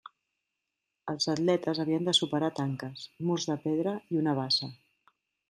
Els atletes havien de superar tanques, murs de pedra i una bassa.